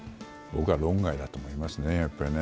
僕は論外だと思いますね。